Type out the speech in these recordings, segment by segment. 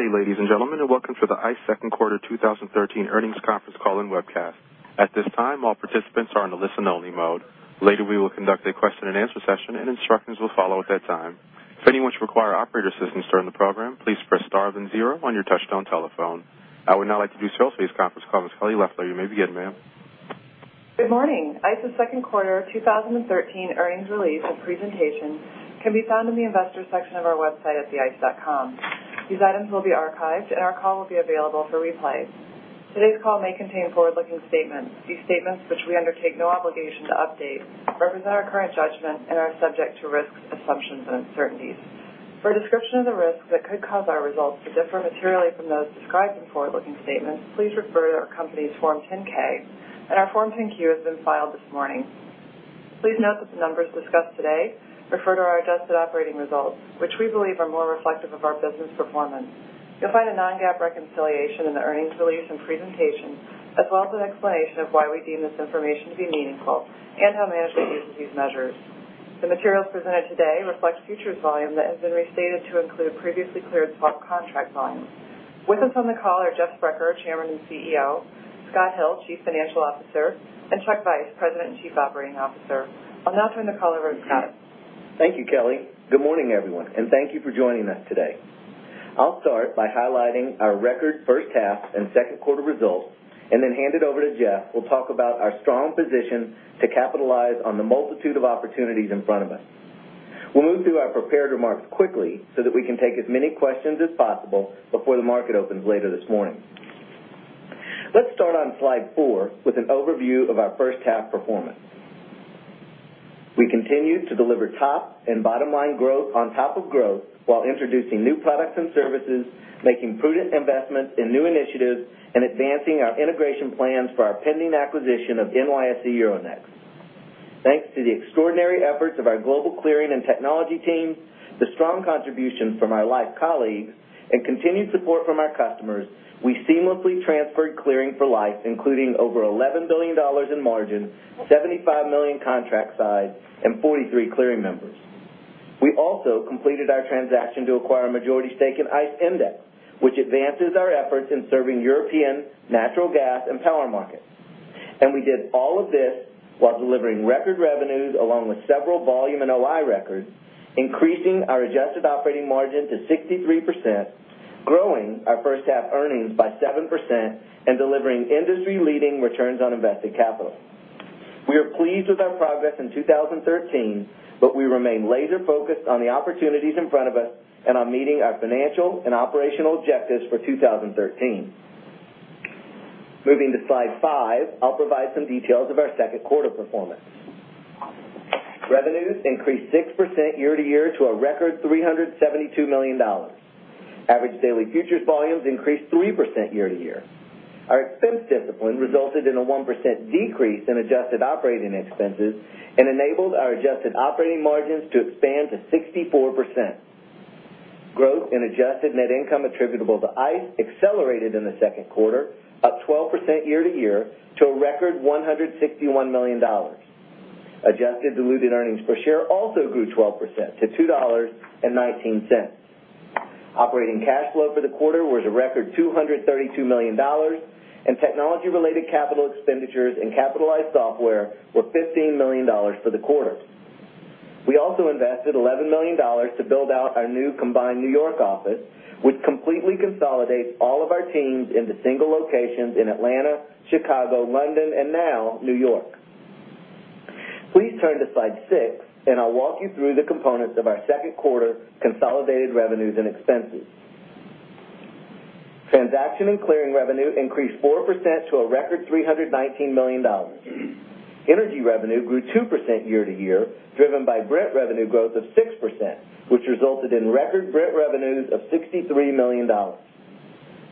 Good day, ladies and gentlemen, and welcome to the ICE second quarter 2013 earnings conference call and webcast. At this time, all participants are in a listen only mode. Later, we will conduct a question and answer session and instructions will follow at that time. If anyone should require operator assistance during the program, please press star then zero on your touchtone telephone. I would now like to do turn the conference call. Ms. Kelly Loeffler, you may begin, ma'am. Good morning. ICE's second quarter 2013 earnings release and presentation can be found in the investors section of our website at theice.com. These items will be archived and our call will be available for replay. Today's call may contain forward-looking statements. These statements, which we undertake no obligation to update, represent our current judgment and are subject to risks, assumptions and uncertainties. For a description of the risks that could cause our results to differ materially from those described in forward-looking statements, please refer to our company's Form 10-K, and our Form 10-Q has been filed this morning. Please note that the numbers discussed today refer to our adjusted operating results, which we believe are more reflective of our business performance. You'll find a non-GAAP reconciliation in the earnings release and presentation, as well as an explanation of why we deem this information to be meaningful and how management uses these measures. The materials presented today reflect futures volume that has been restated to include previously cleared swap contract volumes. With us on the call are Jeff Sprecher, Chairman and CEO, Scott Hill, Chief Financial Officer, and Chuck Vice, President and Chief Operating Officer. I'll now turn the call over to Scott. Thank you, Kelly. Good morning, everyone, and thank you for joining us today. I'll start by highlighting our record first half and second quarter results, and then hand it over to Jeff, who will talk about our strong position to capitalize on the multitude of opportunities in front of us. We'll move through our prepared remarks quickly so that we can take as many questions as possible before the market opens later this morning. Let's start on slide four with an overview of our first half performance. We continued to deliver top and bottom-line growth on top of growth while introducing new products and services, making prudent investments in new initiatives, and advancing our integration plans for our pending acquisition of NYSE Euronext. Thanks to the extraordinary efforts of our global clearing and technology teams, the strong contributions from our Liffe colleagues, and continued support from our customers, we seamlessly transferred clearing for Liffe, including over $11 billion in margin, 75 million contract sides, and 43 clearing members. We also completed our transaction to acquire a majority stake in ICE Endex, which advances our efforts in serving European natural gas and power markets. We did all of this while delivering record revenues along with several volume and OI records, increasing our adjusted operating margin to 63%, growing our first half earnings by 7%, and delivering industry-leading returns on invested capital. We are pleased with our progress in 2013, we remain laser-focused on the opportunities in front of us and on meeting our financial and operational objectives for 2013. Moving to slide five, I'll provide some details of our second quarter performance. Revenues increased 6% year-over-year to a record $372 million. Average daily futures volumes increased 3% year-over-year. Our expense discipline resulted in a 1% decrease in adjusted operating expenses and enabled our adjusted operating margins to expand to 64%. Growth in adjusted net income attributable to ICE accelerated in the second quarter, up 12% year-over-year to a record $161 million. Adjusted diluted earnings per share also grew 12% to $2.19. Operating cash flow for the quarter was a record $232 million, and technology-related capital expenditures and capitalized software were $15 million for the quarter. We also invested $11 million to build out our new combined N.Y. office, which completely consolidates all of our teams into single locations in Atlanta, Chicago, London, and now New York. Please turn to slide six, I'll walk you through the components of our second quarter consolidated revenues and expenses. Transaction and clearing revenue increased 4% to a record $319 million. Energy revenue grew 2% year-over-year, driven by Brent revenue growth of 6%, which resulted in record Brent revenues of $63 million.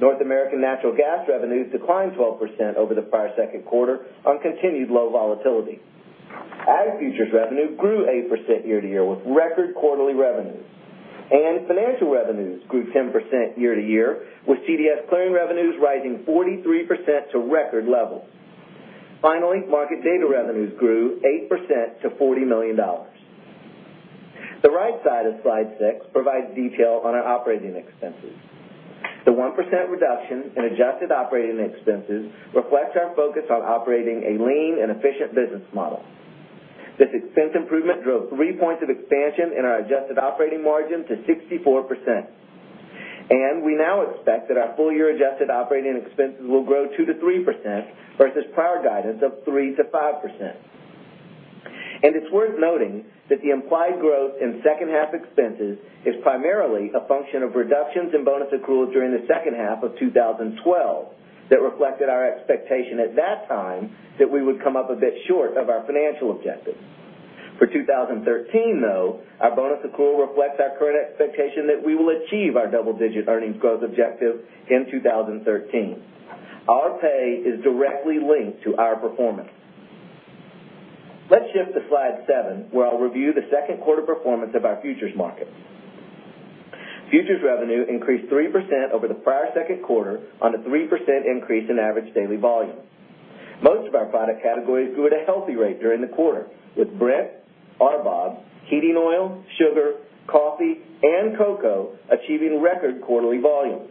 North American natural gas revenues declined 12% over the prior second quarter on continued low volatility. Ag futures revenue grew 8% year-over-year, with record quarterly revenues. Financial revenues grew 10% year-over-year, with CDS clearing revenues rising 43% to record levels. Finally, market data revenues grew 8% to $40 million. The right side of slide six provides detail on our operating expenses. The 1% reduction in adjusted operating expenses reflects our focus on operating a lean and efficient business model. This expense improvement drove three points of expansion in our adjusted operating margin to 64%. We now expect that our full-year adjusted operating expenses will grow 2%-3% versus prior guidance of 3%-5%. It's worth noting that the implied growth in second half expenses is primarily a function of reductions in bonus accruals during the second half of 2012 that reflected our expectation at that time that we would come up a bit short of our financial objectives. For 2013, though, our bonus accrual reflects our current expectation that we will achieve our double-digit earnings growth objective in 2013. Our pay is directly linked to our performance. Let's shift to slide seven, where I'll review the second quarter performance of our futures markets. Futures revenue increased 3% over the prior second quarter on a 3% increase in average daily volume. Most of our product categories grew at a healthy rate during the quarter, with Brent, RBOB, heating oil, sugar, coffee, and cocoa achieving record quarterly volumes.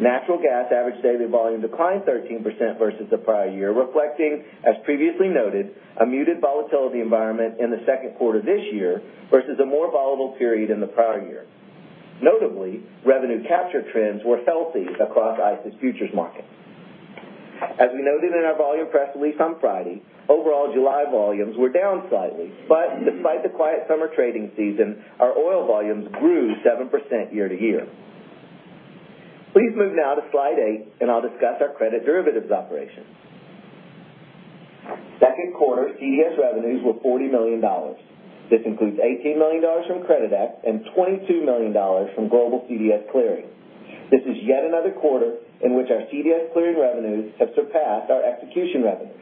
Natural gas average daily volume declined 13% versus the prior year, reflecting, as previously noted, a muted volatility environment in the second quarter of this year versus a more volatile period in the prior year. Notably, revenue capture trends were healthy across ICE's futures markets. As we noted in our volume press release on Friday, overall July volumes were down slightly. Despite the quiet summer trading season, our oil volumes grew 7% year-over-year. Please move now to slide eight and I'll discuss our credit derivatives operations. Second quarter CDS revenues were $40 million. This includes $18 million from Creditex and $22 million from Global CDS Clearing. This is yet another quarter in which our CDS clearing revenues have surpassed our execution revenues.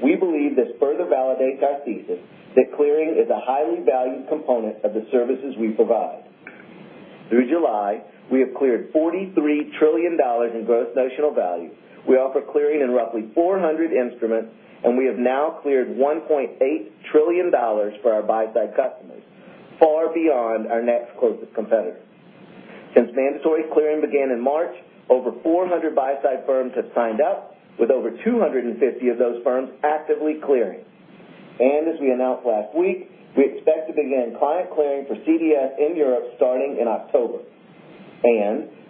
We believe this further validates our thesis that clearing is a highly valued component of the services we provide. Through July, we have cleared $43 trillion in gross notional value. We offer clearing in roughly 400 instruments, and we have now cleared $1.8 trillion for our buy-side customers, far beyond our next closest competitor. Since mandatory clearing began in March, over 400 buy-side firms have signed up, with over 250 of those firms actively clearing. As we announced last week, we expect to begin client clearing for CDS in Europe starting in October.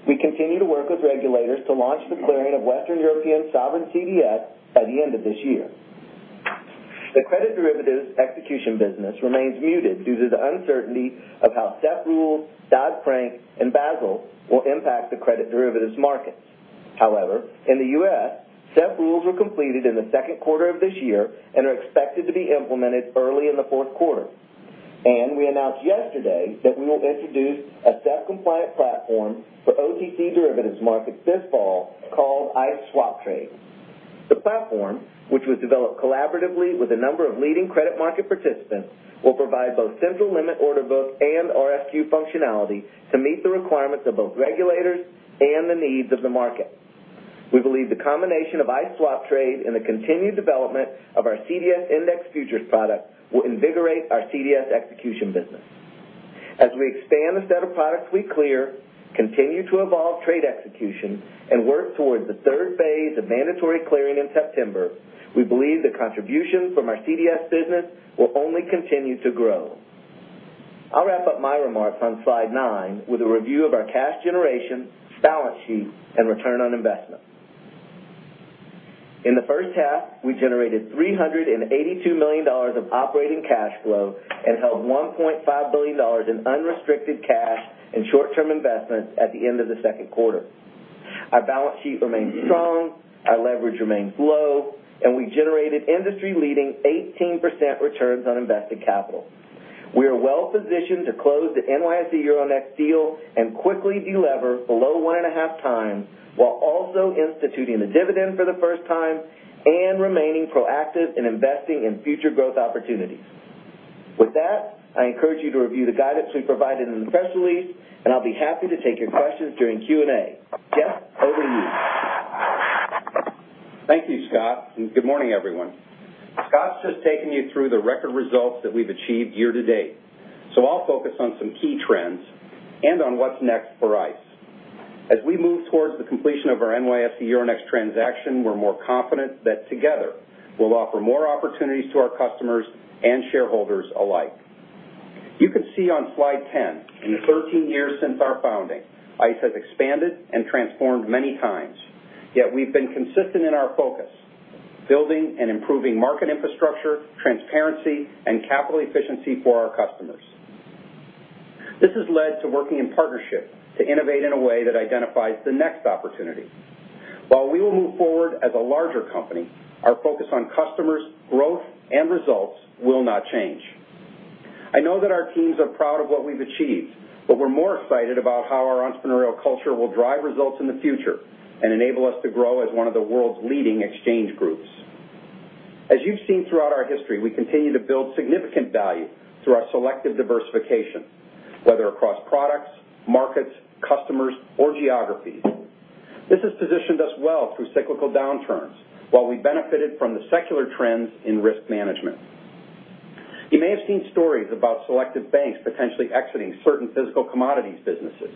We continue to work with regulators to launch the clearing of Western European sovereign CDS by the end of this year. The credit derivatives execution business remains muted due to the uncertainty of how SEF rules, Dodd-Frank, and Basel will impact the credit derivatives markets. However, in the U.S., SEF rules were completed in the second quarter of this year and are expected to be implemented early in the fourth quarter. We announced yesterday that we will introduce a SEF-compliant platform for OTC derivatives markets this fall called ICE Swap Trade. The platform, which was developed collaboratively with a number of leading credit market participants, will provide both central limit order book and RFQ functionality to meet the requirements of both regulators and the needs of the market. We believe the combination of ICE Swap Trade and the continued development of our CDS index futures product will invigorate our CDS execution business. As we expand the set of products we clear, continue to evolve trade execution, and work towards the third phase of mandatory clearing in September, we believe the contribution from our CDS business will only continue to grow. I'll wrap up my remarks on slide nine with a review of our cash generation, balance sheet, and return on investment. In the first half, we generated $382 million of operating cash flow and held $1.5 billion in unrestricted cash and short-term investments at the end of the second quarter. Our balance sheet remains strong, our leverage remains low, and we generated industry-leading 18% returns on invested capital. We are well-positioned to close the NYSE Euronext deal and quickly delever below one and a half times, while also instituting a dividend for the first time and remaining proactive in investing in future growth opportunities. With that, I encourage you to review the guidance we provided in the press release, and I'll be happy to take your questions during Q&A. Jeff, over to you. Thank you, Scott, and good morning, everyone. Scott's just taken you through the record results that we've achieved year-to-date. I'll focus on some key trends and on what's next for ICE. We move towards the completion of our NYSE Euronext transaction, we're more confident that together we'll offer more opportunities to our customers and shareholders alike. You can see on slide 10, in the 13 years since our founding, ICE has expanded and transformed many times. We've been consistent in our focus, building and improving market infrastructure, transparency, and capital efficiency for our customers. This has led to working in partnership to innovate in a way that identifies the next opportunity. We will move forward as a larger company, our focus on customers, growth, and results will not change. I know that our teams are proud of what we've achieved, but we're more excited about how our entrepreneurial culture will drive results in the future and enable us to grow as one of the world's leading exchange groups. You've seen throughout our history, we continue to build significant value through our selective diversification, whether across products, markets, customers, or geographies. This has positioned us well through cyclical downturns while we benefited from the secular trends in risk management. You may have seen stories about selective banks potentially exiting certain physical commodities businesses.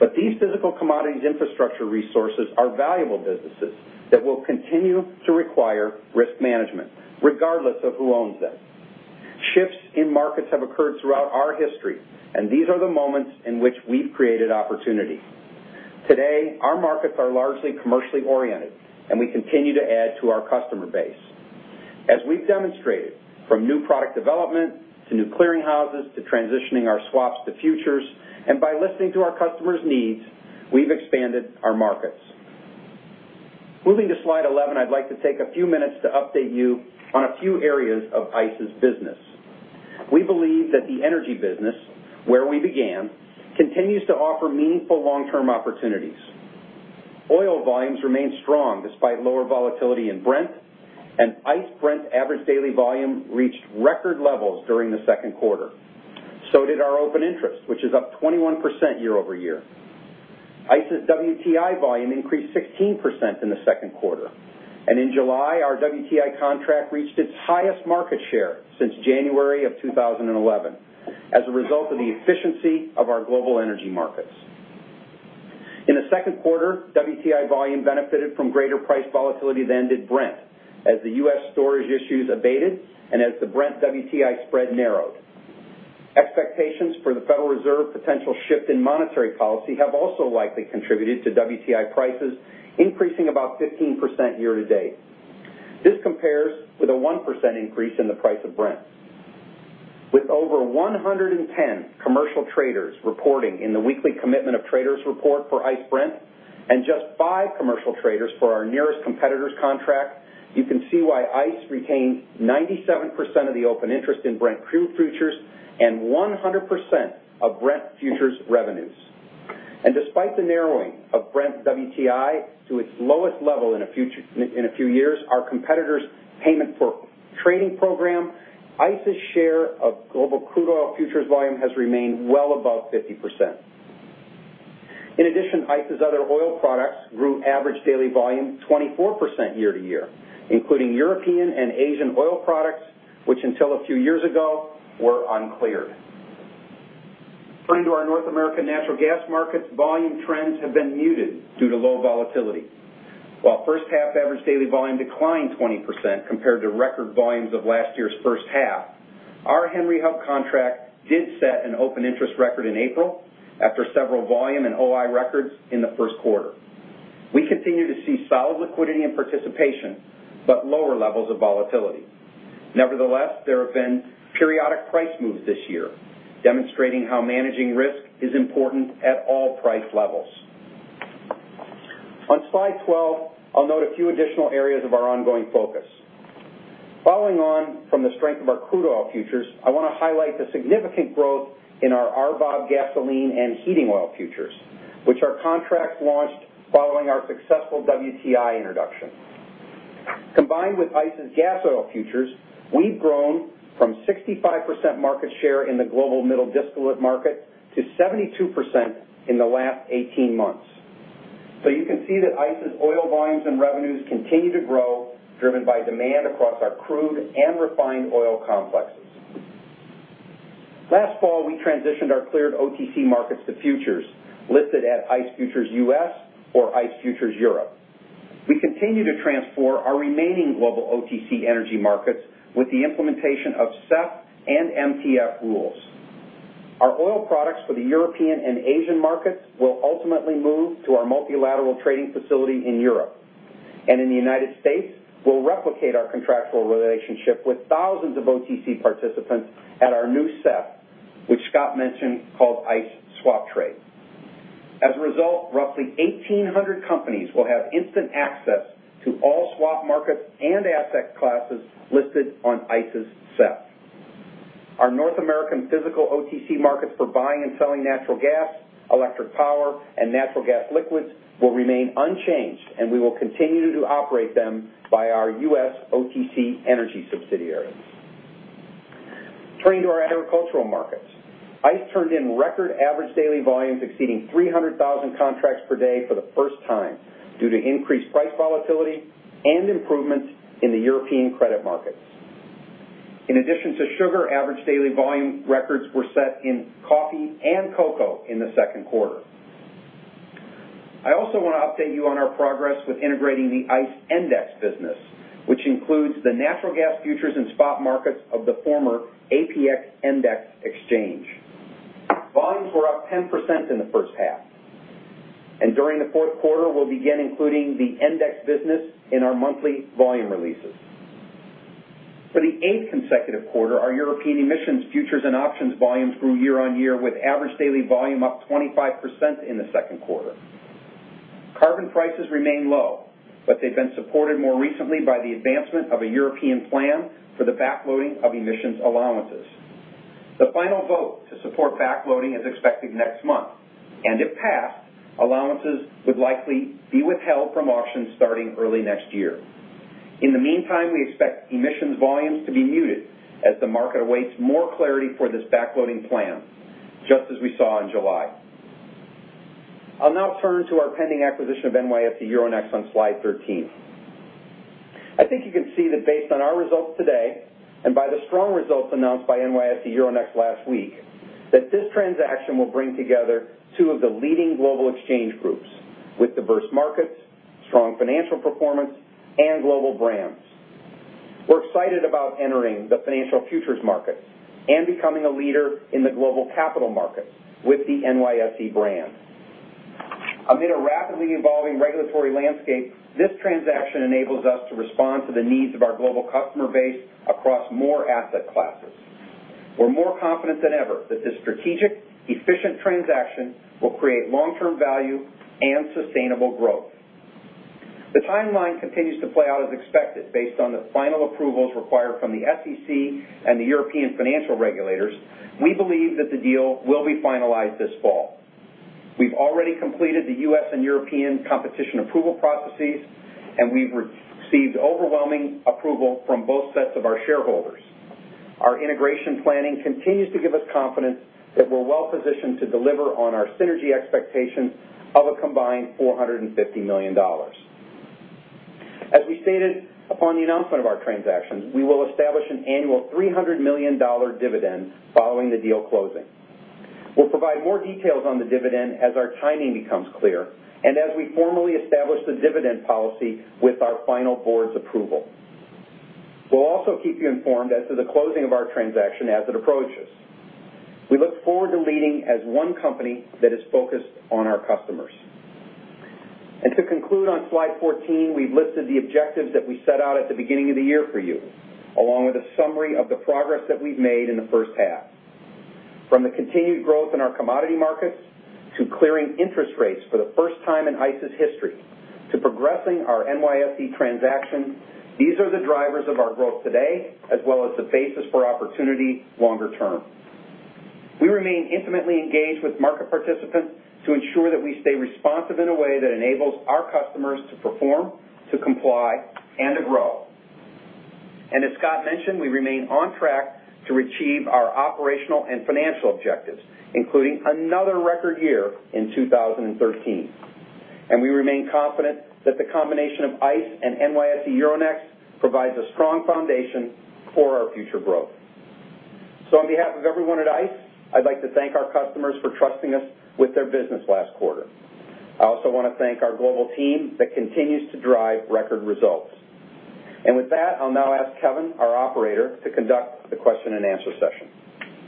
These physical commodities infrastructure resources are valuable businesses that will continue to require risk management, regardless of who owns them. Shifts in markets have occurred throughout our history, and these are the moments in which we've created opportunity. Today, our markets are largely commercially oriented, and we continue to add to our customer base. We've demonstrated, from new product development to new clearing houses to transitioning our swaps to futures, and by listening to our customers' needs, we've expanded our markets. Moving to slide 11, I'd like to take a few minutes to update you on a few areas of ICE's business. We believe that the energy business, where we began, continues to offer meaningful long-term opportunities. Oil volumes remain strong despite lower volatility in Brent, and ICE Brent average daily volume reached record levels during the second quarter. Did our open interest, which is up 21% year-over-year. ICE's WTI volume increased 16% in the second quarter, and in July, our WTI contract reached its highest market share since January of 2011 as a result of the efficiency of our global energy markets. In the second quarter, WTI volume benefited from greater price volatility than did Brent, as the U.S. storage issues abated and as the Brent-WTI spread narrowed. Expectations for the Federal Reserve potential shift in monetary policy have also likely contributed to WTI prices increasing about 15% year-to-date. This compares with a 1% increase in the price of Brent. With over 110 commercial traders reporting in the weekly commitment of traders report for ICE Brent and just five commercial traders for our nearest competitor's contract, you can see why ICE retains 97% of the open interest in Brent crude futures and 100% of Brent futures revenues. Despite the narrowing of Brent WTI to its lowest level in a few years, our competitor's payment for trading program, ICE's share of global crude oil futures volume has remained well above 50%. In addition, ICE's other oil products grew average daily volume 24% year-over-year, including European and Asian oil products, which until a few years ago were uncleared. Turning to our North American natural gas markets, volume trends have been muted due to low volatility. While first-half average daily volume declined 20% compared to record volumes of last year's first half, our Henry Hub contract did set an open interest record in April after several volume and OI records in the first quarter. We continue to see solid liquidity and participation, but lower levels of volatility. Nevertheless, there have been periodic price moves this year, demonstrating how managing risk is important at all price levels. On slide 12, I'll note a few additional areas of our ongoing focus. Following on from the strength of our crude oil futures, I want to highlight the significant growth in our RBOB gasoline and heating oil futures, which our contract launched following our successful WTI introduction. Combined with ICE's gas oil futures, we've grown from 65% market share in the global middle distillate market to 72% in the last 18 months. You can see that ICE's oil volumes and revenues continue to grow, driven by demand across our crude and refined oil complexes. Last fall, we transitioned our cleared OTC markets to futures listed at ICE Futures U.S. or ICE Futures Europe. We continue to transform our remaining global OTC energy markets with the implementation of SEF and MTF rules. Our oil products for the European and Asian markets will ultimately move to our multilateral trading facility in Europe. In the United States, we'll replicate our contractual relationship with thousands of OTC participants at our new SEF, which Scott mentioned, called ICE Swap Trade. As a result, roughly 1,800 companies will have instant access to all swap markets and asset classes listed on ICE's SEF. Our North American physical OTC markets for buying and selling natural gas, electric power, and natural gas liquids will remain unchanged, and we will continue to operate them by our ICE OTC Energy subsidiaries. Turning to our agricultural markets. ICE turned in record average daily volumes exceeding 300,000 contracts per day for the first time due to increased price volatility and improvements in the European credit markets. In addition to sugar, average daily volume records were set in coffee and cocoa in the second quarter. I also want to update you on our progress with integrating the ICE Endex business, which includes the natural gas futures and spot markets of the former APX-Endex exchange. Volumes were up 10% in the first half, and during the fourth quarter, we'll begin including the Endex business in our monthly volume releases. For the eighth consecutive quarter, our European emissions futures and options volumes grew year-on-year with average daily volume up 25% in the second quarter. Carbon prices remain low, but they've been supported more recently by the advancement of a European plan for the backloading of emissions allowances. The final vote to support backloading is expected next month. If passed, allowances would likely be withheld from auction starting early next year. In the meantime, we expect emissions volumes to be muted as the market awaits more clarity for this backloading plan, just as we saw in July. I'll now turn to our pending acquisition of NYSE Euronext on slide 13. I think you can see that based on our results today, by the strong results announced by NYSE Euronext last week, that this transaction will bring together two of the leading global exchange groups with diverse markets, strong financial performance, and global brands. We're excited about entering the financial futures markets and becoming a leader in the global capital markets with the NYSE brand. Amid a rapidly evolving regulatory landscape, this transaction enables us to respond to the needs of our global customer base across more asset classes. We're more confident than ever that this strategic, efficient transaction will create long-term value and sustainable growth. The timeline continues to play out as expected based on the final approvals required from the SEC and the European financial regulators. We believe that the deal will be finalized this fall. We've already completed the U.S. and European competition approval processes. We've received overwhelming approval from both sets of our shareholders. Our integration planning continues to give us confidence that we're well-positioned to deliver on our synergy expectations of a combined $450 million. As we stated upon the announcement of our transaction, we will establish an annual $300 million dividend following the deal closing. We'll provide more details on the dividend as our timing becomes clear, as we formally establish the dividend policy with our final board's approval. We'll also keep you informed as to the closing of our transaction as it approaches. We look forward to leading as one company that is focused on our customers. To conclude on slide 14, we've listed the objectives that we set out at the beginning of the year for you, along with a summary of the progress that we've made in the first half. From the continued growth in our commodity markets, to clearing interest rates for the first time in ICE's history, to progressing our NYSE transaction, these are the drivers of our growth today, as well as the basis for opportunity longer term. We remain intimately engaged with market participants to ensure that we stay responsive in a way that enables our customers to perform, to comply, and to grow. As Scott mentioned, we remain on track to achieve our operational and financial objectives, including another record year in 2013. We remain confident that the combination of ICE and NYSE Euronext provides a strong foundation for our future growth. On behalf of everyone at ICE, I'd like to thank our customers for trusting us with their business last quarter. I also want to thank our global team that continues to drive record results. With that, I'll now ask Kevin, our operator, to conduct the question and answer session.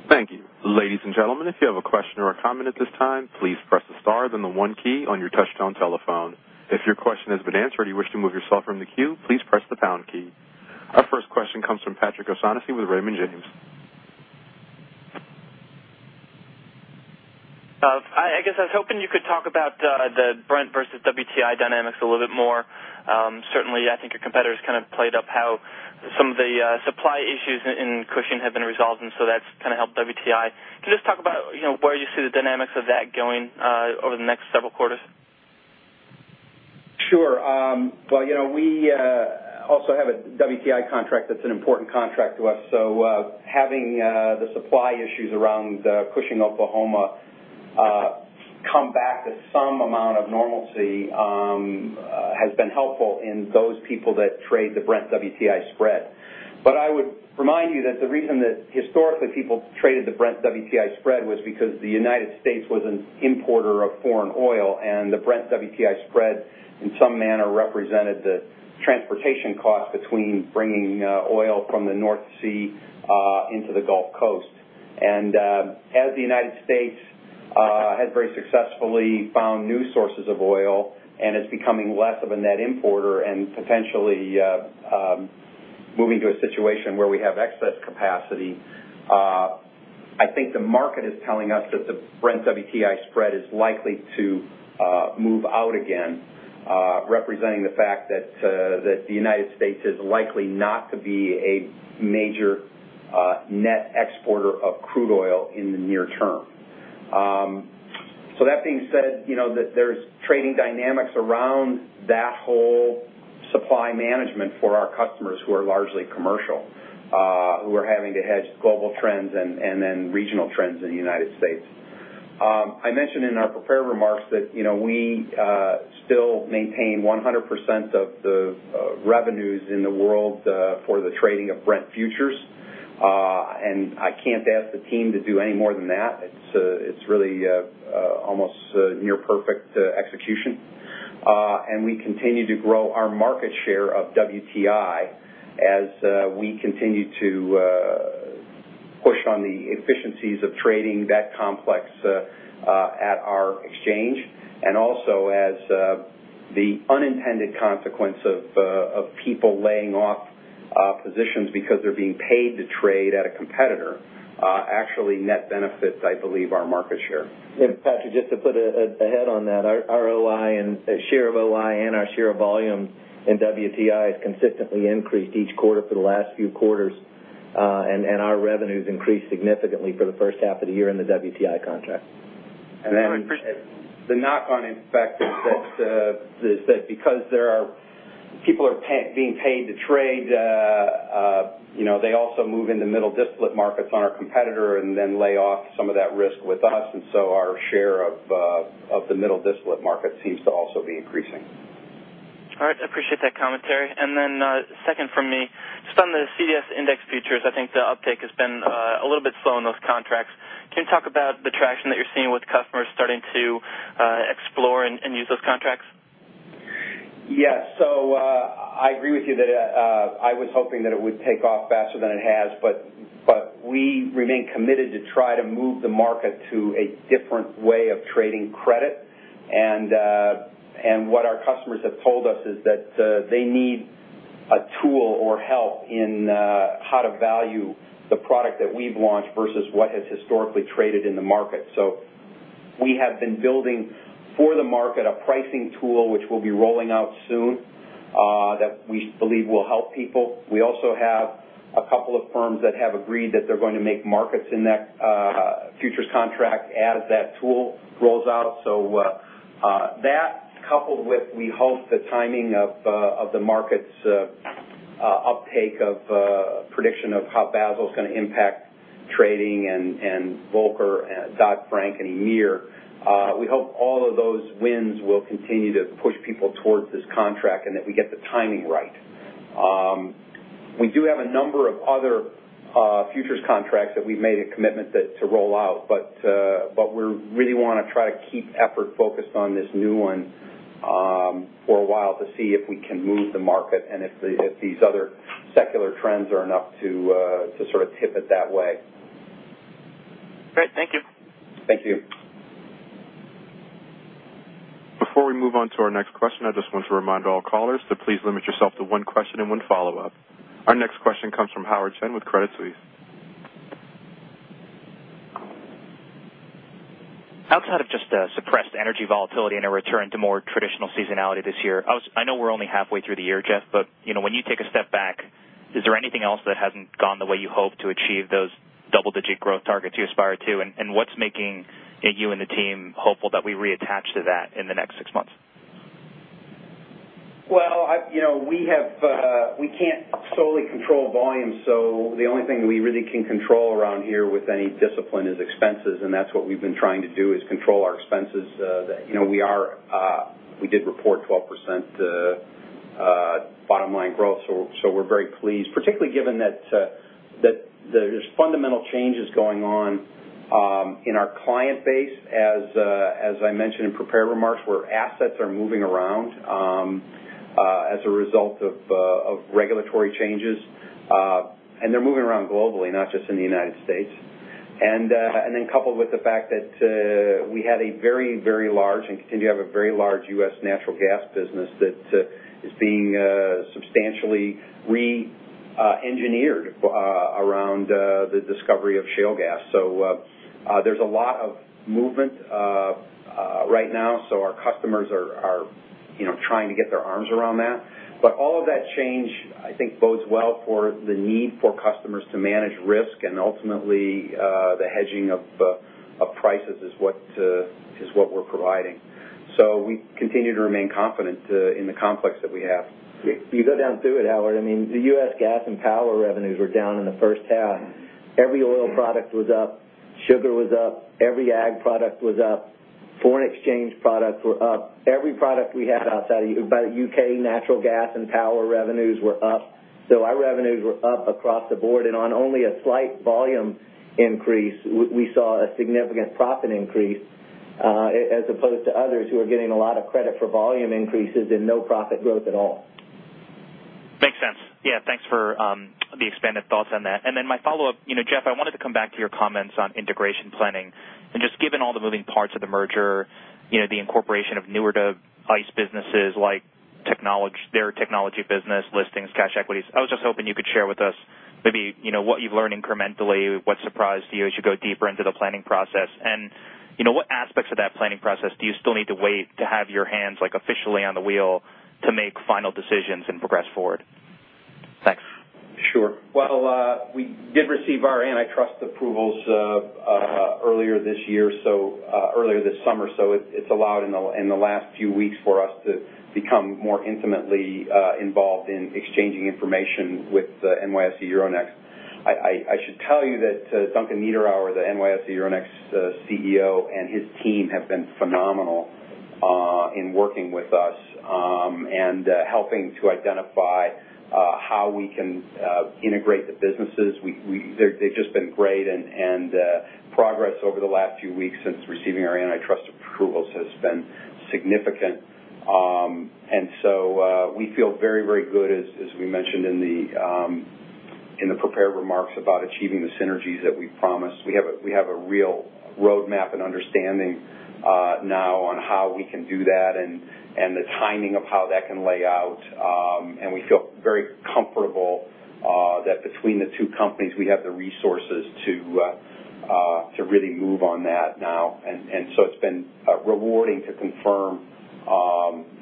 Thank you. Ladies and gentlemen, if you have a question or a comment at this time, please press the star, then the one key on your touchtone telephone. If your question has been answered or you wish to move yourself from the queue, please press the pound key. Our first question comes from Patrick O'Shaughnessy with Raymond James. I was hoping you could talk about the Brent versus WTI dynamics a little bit more. Certainly, I think your competitors kind of played up how some of the supply issues in Cushing have been resolved, and so that's kind of helped WTI. Can you just talk about where you see the dynamics of that going over the next several quarters? Sure. We also have a WTI contract that's an important contract to us, so having the supply issues around Cushing, Oklahoma, come back to some amount of normalcy has been helpful in those people that trade the Brent WTI spread. I would remind you that the reason that historically people traded the Brent WTI spread was because the United States was an importer of foreign oil, and the Brent WTI spread, in some manner, represented the transportation cost between bringing oil from the North Sea into the Gulf Coast. As the U.S. has very successfully found new sources of oil and is becoming less of a net importer and potentially moving to a situation where we have excess capacity, I think the market is telling us that the Brent WTI spread is likely to move out again, representing the fact that the U.S. is likely not to be a major net exporter of crude oil in the near term. That being said, there's trading dynamics around that whole supply management for our customers who are largely commercial, who are having to hedge global trends and then regional trends in the U.S. I mentioned in our prepared remarks that we still maintain 100% of the revenues in the world for the trading of Brent futures, and I can't ask the team to do any more than that. It's really almost near perfect execution. We continue to grow our market share of WTI as we continue to push on the efficiencies of trading that complex at our exchange, and also as the unintended consequence of people laying off positions because they're being paid to trade at a competitor actually net benefits, I believe, our market share. Patrick, just to put a head on that, our ROI and share of ROI and our share of volume in WTI has consistently increased each quarter for the last few quarters, and our revenues increased significantly for the first half of the year in the WTI contract. The knock-on effect is that because people are being paid to trade, they also move into middle distillate markets on our competitor and then lay off some of that risk with us, our share of the middle distillate market seems to also be increasing. All right. I appreciate that commentary. Second from me, just on the CDS index futures, I think the uptake has been a little bit slow on those contracts. Can you talk about the traction that you're seeing with customers starting to explore and use those contracts? Yeah. I agree with you that I was hoping that it would take off faster than it has, but we remain committed to try to move the market to a different way of trading credit. What our customers have told us is that they need a tool or help in how to value the product that we've launched versus what has historically traded in the market. We have been building for the market a pricing tool, which we'll be rolling out soon, that we believe will help people. We also have a couple of firms that have agreed that they're going to make markets in that futures contract as that tool rolls out. That coupled with, we hope, the timing of the market's uptake of prediction of how Basel is going to impact trading and Volcker, Dodd-Frank in a year. We hope all of those wins will continue to push people towards this contract and that we get the timing right. We do have a number of other futures contracts that we've made a commitment to roll out, but we really want to try to keep effort focused on this new one for a while to see if we can move the market and if these other secular trends are enough to sort of tip it that way. Great. Thank you. Thank you. Before we move on to our next question, I just want to remind all callers to please limit yourself to one question and one follow-up. Our next question comes from Howard Chen with Credit Suisse. Outside of just suppressed energy volatility and a return to more traditional seasonality this year, I know we're only halfway through the year, Jeff, but when you take a step back, is there anything else that hasn't gone the way you hope to achieve those double-digit growth targets you aspire to? What's making you and the team hopeful that we reattach to that in the next six months? Well, we can't solely control volume, the only thing we really can control around here with any discipline is expenses, and that's what we've been trying to do, is control our expenses. We did report 12% bottom line growth, we're very pleased, particularly given that there's fundamental changes going on in our client base, as I mentioned in prepared remarks, where assets are moving around as a result of regulatory changes. They're moving around globally, not just in the U.S. Coupled with the fact that we had a very, very large and continue to have a very large U.S. natural gas business that is being substantially re-engineered around the discovery of shale gas. There's a lot of movement right now. Our customers are trying to get their arms around that. All of that change, I think, bodes well for the need for customers to manage risk and ultimately, the hedging of prices is what we're providing. We continue to remain confident in the complex that we have. You go down through it, Howard, the U.S. gas and power revenues were down in the first half. Every oil product was up, sugar was up, every ag product was up, foreign exchange products were up. Every product we had by the U.K., natural gas and power revenues were up. Our revenues were up across the board, and on only a slight volume increase, we saw a significant profit increase, as opposed to others who are getting a lot of credit for volume increases and no profit growth at all. Makes sense. Yeah, thanks for the expanded thoughts on that. Then my follow-up, Jeff, I wanted to come back to your comments on integration planning. Just given all the moving parts of the merger, the incorporation of newer to ICE businesses like their technology business listings, cash equities. I was just hoping you could share with us maybe what you've learned incrementally, what surprised you as you go deeper into the planning process, and what aspects of that planning process do you still need to wait to have your hands officially on the wheel to make final decisions and progress forward? Thanks. Sure. Well, we did receive our antitrust approvals earlier this year, earlier this summer, so it's allowed in the last few weeks for us to become more intimately involved in exchanging information with NYSE Euronext. I should tell you that Duncan Niederauer, the NYSE Euronext CEO, and his team have been phenomenal in working with us and helping to identify how we can integrate the businesses. They've just been great, and progress over the last few weeks since receiving our antitrust approvals has been significant. So we feel very, very good, as we mentioned in the prepared remarks, about achieving the synergies that we promised. We have a real roadmap and understanding now on how we can do that and the timing of how that can lay out. We feel very comfortable that between the two companies, we have the resources to really move on that now. It's been rewarding to confirm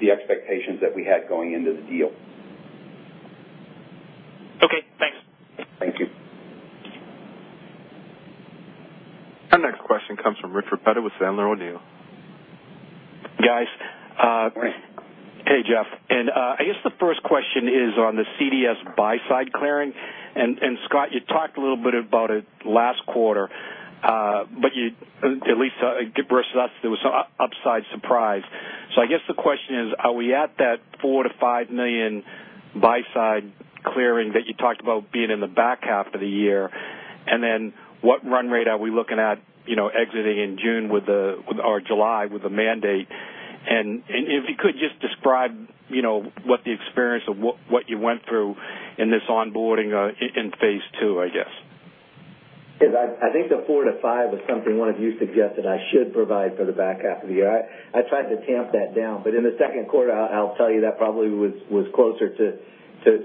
the expectations that we had going into the deal. Okay, thanks. Thank you. Our next question comes from Rich Repetto with Sandler O'Neill. Guys. Rich. Hey, Jeff. I guess the first question is on the CDS buy-side clearing. Scott, you talked a little bit about it last quarter, at least give rest to us there was upside surprise. I guess the question is, are we at that $4 million-$5 million buy-side clearing that you talked about being in the back half of the year? What run rate are we looking at exiting in June or July with the mandate? If you could just describe what the experience of what you went through in this onboarding in phase II, I guess. I think the $4 million-$5 million was something one of you suggested I should provide for the back half of the year. I tried to tamp that down, but in the second quarter, I'll tell you, that probably was closer to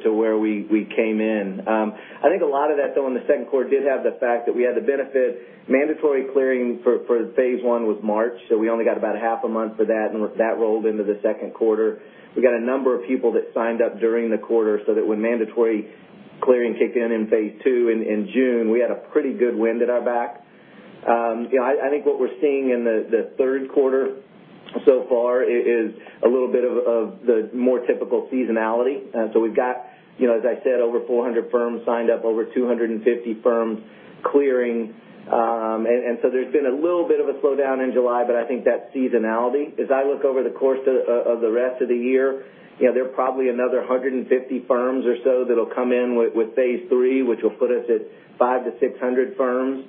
where we came in. I think a lot of that, though, in the second quarter did have the fact that we had the benefit. Mandatory clearing for phase I was March, so we only got about a half a month of that, and that rolled into the second quarter. We got a number of people that signed up during the quarter so that when mandatory clearing kicked in phase II in June. We had a pretty good wind at our back. I think what we're seeing in the third quarter so far is a little bit of the more typical seasonality. We've got, as I said, over 400 firms signed up, over 250 firms clearing. There's been a little bit of a slowdown in July, but I think that's seasonality. As I look over the course of the rest of the year, there are probably another 150 firms or so that'll come in with phase III, which will put us at 500 to 600 firms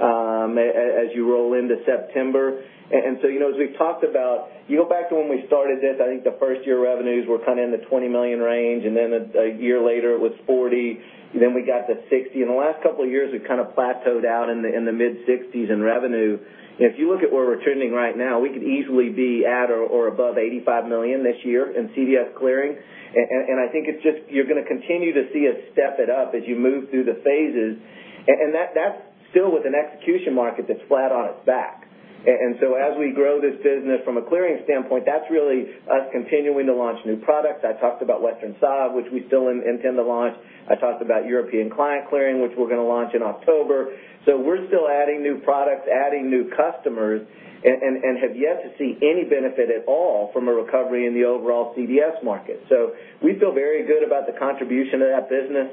as you roll into September. As we've talked about, you go back to when we started this, I think the first-year revenues were kind of in the $20 million range, then a year later it was $40 million, then we got to $60 million. In the last couple of years, we've kind of plateaued out in the mid-$60 million in revenue. If you look at where we're trending right now, we could easily be at or above $85 million this year in CDS clearing. I think you're going to continue to see us step it up as you move through the phases. That's still with an execution market that's flat on its back. As we grow this business from a clearing standpoint, that's really us continuing to launch new products. I talked about Western sovereign CDS, which we still intend to launch. I talked about European Client Clearing, which we're going to launch in October. We're still adding new products, adding new customers, and have yet to see any benefit at all from a recovery in the overall CDS market. We feel very good about the contribution of that business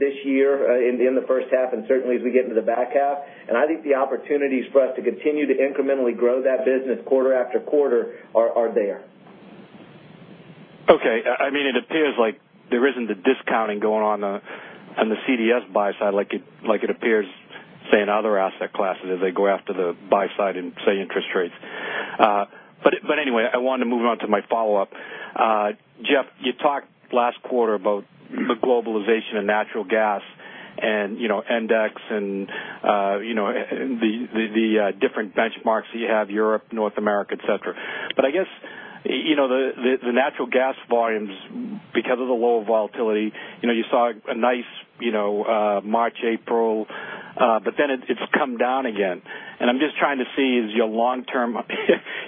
this year in the first half and certainly as we get into the back half. I think the opportunities for us to continue to incrementally grow that business quarter after quarter are there. Okay. It appears like there isn't a discounting going on the CDS buy side like it appears, say, in other asset classes as they go after the buy side in, say, interest rates. Anyway, I want to move on to my follow-up. Jeff, you talked last quarter about the globalization of natural gas and Endex and the different benchmarks that you have, Europe, North America, et cetera. I guess, the natural gas volumes, because of the low volatility, you saw a nice March, April, but then it's come down again. I'm just trying to see, is your long-term.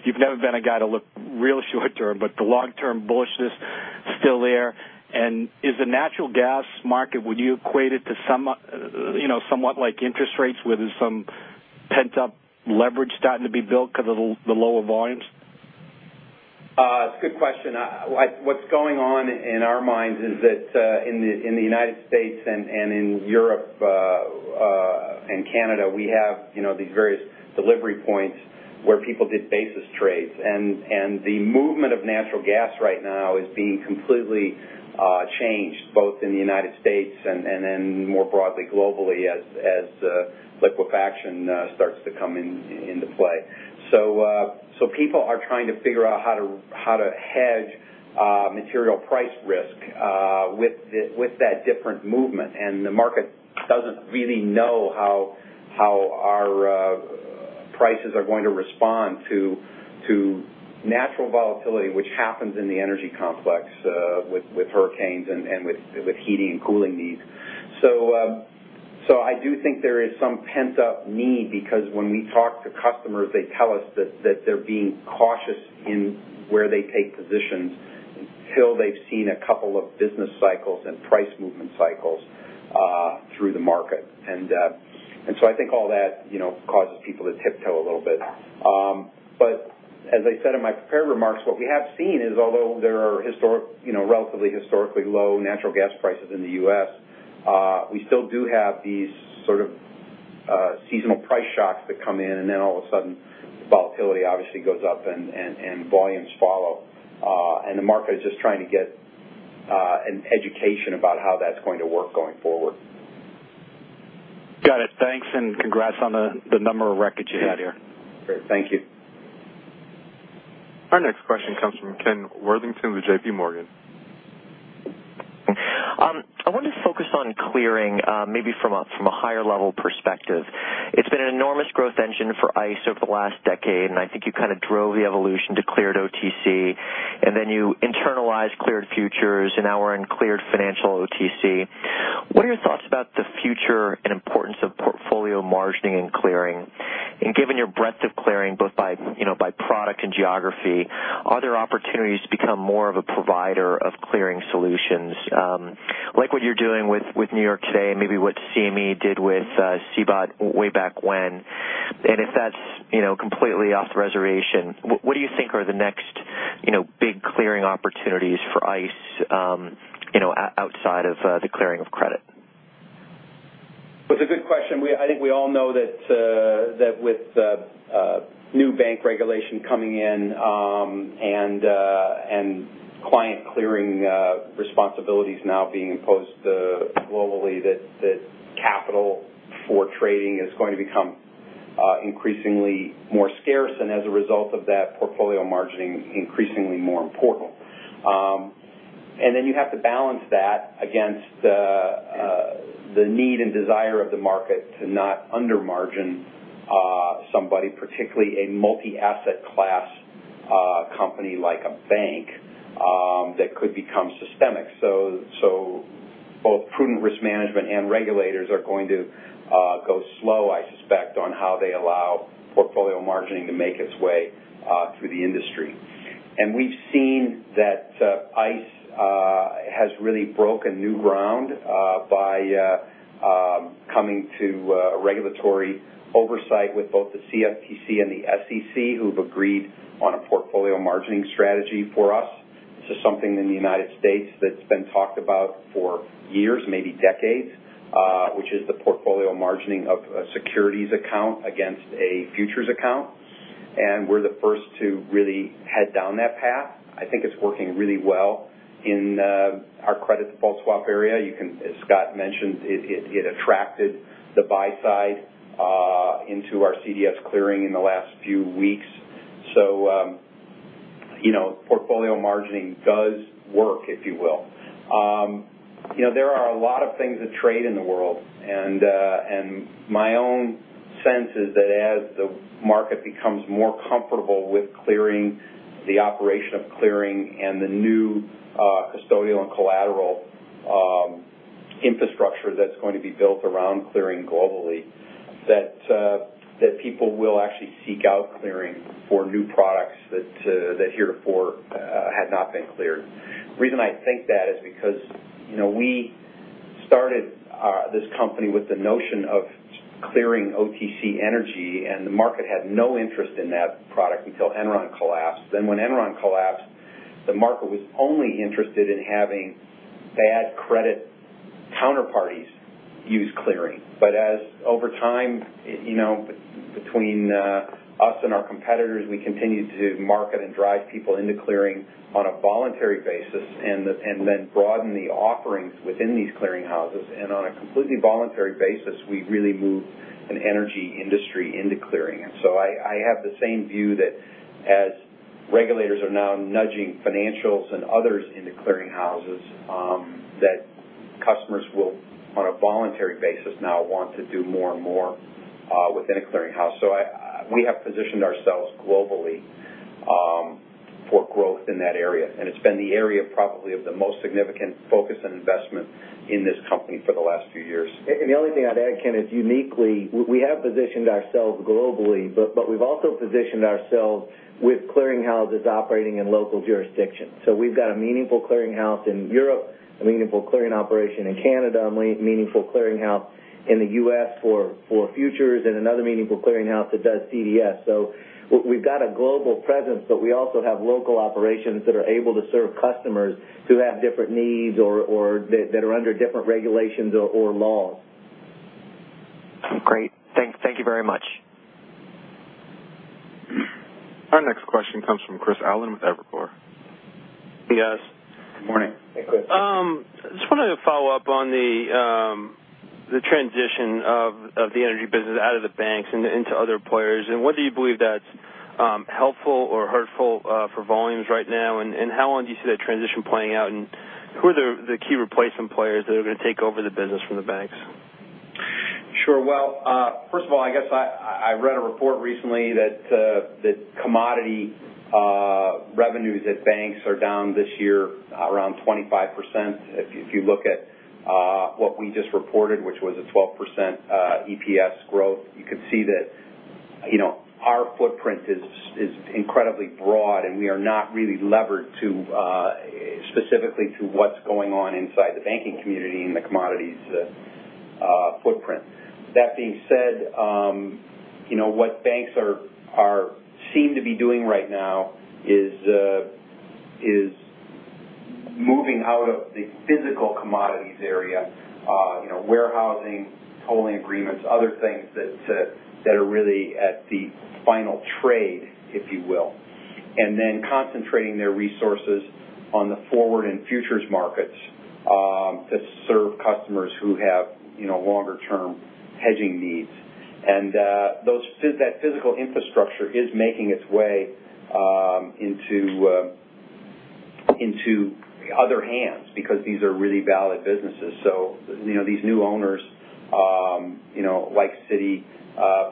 You've never been a guy to look real short-term, but the long-term bullishness still there. Is the natural gas market, would you equate it to somewhat like interest rates, where there's some pent-up leverage starting to be built because of the lower volumes? It's a good question. What's going on in our minds is that in the United States and in Europe and Canada, we have these various delivery points where people did basis trades. The movement of natural gas right now is being completely changed, both in the United States and then more broadly globally as liquefaction starts to come into play. People are trying to figure out how to hedge material price risk with that different movement, and the market doesn't really know how our prices are going to respond to natural volatility, which happens in the energy complex with hurricanes and with heating and cooling needs. I do think there is some pent-up need because when we talk to customers, they tell us that they're being cautious in where they take positions until they've seen a couple of business cycles and price movement cycles through the market. I think all that causes people to tiptoe a little bit. As I said in my prepared remarks, what we have seen is, although there are relatively historically low natural gas prices in the U.S., we still do have these sort of seasonal price shocks that come in, and then all of a sudden, volatility obviously goes up and volumes follow. The market is just trying to get an education about how that's going to work going forward. Got it. Thanks, and congrats on the number of records you had here. Great. Thank you. Our next question comes from Ken Worthington with JPMorgan. I want to focus on clearing maybe from a higher level perspective. It's been an enormous growth engine for ICE over the last decade, and I think you kind of drove the evolution to cleared OTC, and then you internalized cleared futures, and now we're in cleared financial OTC. What are your thoughts about the future and importance of portfolio margining and clearing? Given your breadth of clearing both by product and geography, are there opportunities to become more of a provider of clearing solutions, like what you're doing with New York today and maybe what CME did with CBOT way back when? If that's completely off the reservation, what do you think are the next big clearing opportunities for ICE outside of the clearing of credit? It's a good question. I think we all know that with new bank regulation coming in and client clearing responsibilities now being imposed globally, that capital for trading is going to become increasingly more scarce, and as a result of that, portfolio margining increasingly more important. You have to balance that against the need and desire of the market to not under margin somebody, particularly a multi-asset class company like a bank that could become systemic. Both prudent risk management and regulators are going to go slow, I suspect, on how they allow portfolio margining to make its way through the industry. We've seen that ICE has really broken new ground by coming to a regulatory oversight with both the CFTC and the SEC, who've agreed on a portfolio margining strategy for us. This is something in the U.S. that's been talked about for years, maybe decades, which is the portfolio margining of a securities account against a futures account, and we're the first to really head down that path. I think it's working really well in our credit default swap area. As Scott mentioned, it attracted the buy side into our CDS clearing in the last few weeks. Portfolio margining does work, if you will. There are a lot of things that trade in the world. My own sense is that as the market becomes more comfortable with clearing, the operation of clearing, and the new custodial and collateral infrastructure that's going to be built around clearing globally, that people will actually seek out clearing for new products that heretofore had not been cleared. The reason I think that is because we started this company with the notion of clearing OTC energy, and the market had no interest in that product until Enron collapsed. When Enron collapsed, the market was only interested in having bad credit counterparties use clearing. Over time, between us and our competitors, we continued to market and drive people into clearing on a voluntary basis, and then broaden the offerings within these clearing houses, and on a completely voluntary basis, we really moved an energy industry into clearing. I have the same view that as regulators are now nudging financials and others into clearing houses, that customers will, on a voluntary basis now, want to do more and more within a clearing house. We have positioned ourselves globally for growth in that area, and it's been the area probably of the most significant focus and investment in this company for the last few years. The only thing I'd add, Ken, is uniquely, we have positioned ourselves globally, but we've also positioned ourselves with clearing houses operating in local jurisdictions. We've got a meaningful clearing house in Europe, a meaningful clearing operation in Canada, a meaningful clearing house in the U.S. for futures, and another meaningful clearing house that does CDS. We've got a global presence, but we also have local operations that are able to serve customers who have different needs or that are under different regulations or laws. Great. Thank you very much. Our next question comes from Chris Allen with Evercore. Yes. Good morning. Hey, Chris. Just wanted to follow up on the transition of the energy business out of the banks and into other players, and whether you believe that's helpful or hurtful for volumes right now, and how long do you see that transition playing out, and who are the key replacement players that are going to take over the business from the banks? Sure. Well, first of all, I read a report recently that commodity revenues at banks are down this year around 25%. If you look at what we just reported, which was a 12% EPS growth, you could see that our footprint is incredibly broad and we are not really levered specifically to what's going on inside the banking community and the commodities footprint. That being said, what banks seem to be doing right now is moving out of the physical commodities area, warehousing, tolling agreements, other things that are really at the final trade, if you will, and then concentrating their resources on the forward and futures markets that serve customers who have longer-term hedging needs. That physical infrastructure is making its way into other hands because these are really valid businesses. These new owners, like Citi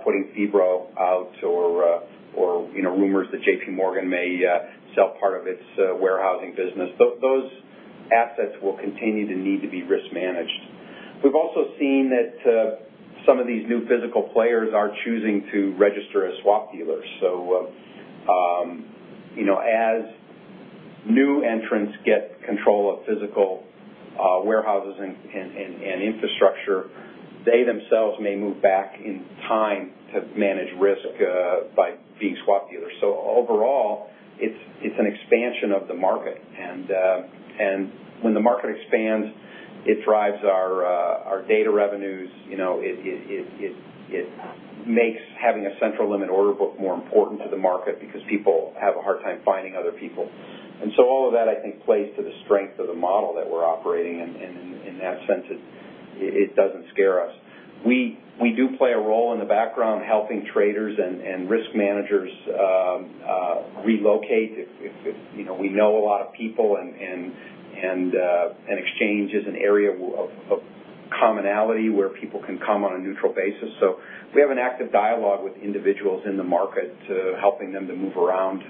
putting Phibro out or rumors that JPMorgan may sell part of its warehousing business, those assets will continue to need to be risk managed. We've also seen that some of these new physical players are choosing to register as swap dealers. As new entrants get control of physical warehouses and infrastructure, they themselves may move back in time to manage risk by being swap dealers. Overall, it's an expansion of the market, and when the market expands, it drives our data revenues. It makes having a central limit order book more important to the market because people have a hard time finding other people. All of that, I think, plays to the strength of the model that we're operating in, and in that sense, it doesn't scare us. We do play a role in the background helping traders and risk managers relocate. We know a lot of people, Exchange is an area of commonality where people can come on a neutral basis. We have an active dialogue with individuals in the market, helping them to move around,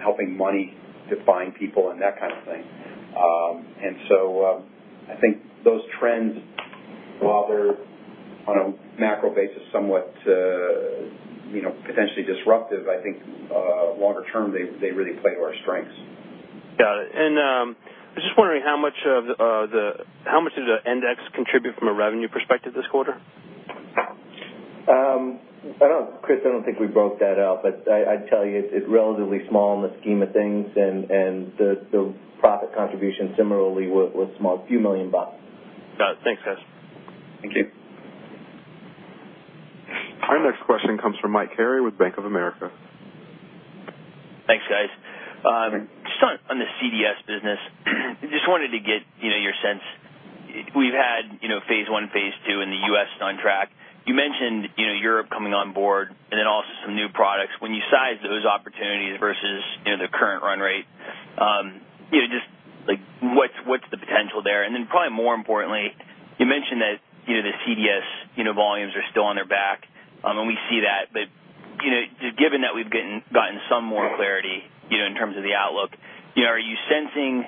helping money to find people and that kind of thing. I think those trends While they're on a macro basis, somewhat potentially disruptive, I think longer term, they really play to our strengths. Got it. I'm just wondering how much does the ICE Endex contribute from a revenue perspective this quarter? Chris, I don't think we broke that out, I'd tell you, it's relatively small in the scheme of things, the profit contribution similarly was small, a few million dollars. Got it. Thanks, guys. Thank you. Our next question comes from Mike Carrier with Bank of America. Thanks, guys. Just on the CDS business, I just wanted to get your sense. We've had phase 1, phase 2 in the U.S. on track. You mentioned Europe coming on board and then also some new products. When you size those opportunities versus the current run rate, just what's the potential there? Probably more importantly, you mentioned that the CDS volumes are still on their back. We see that, but given that we've gotten some more clarity in terms of the outlook, are you sensing